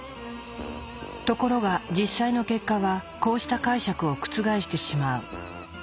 ところが実際の結果はこうした解釈を覆してしまう。